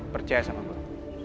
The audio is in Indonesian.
percaya sama gue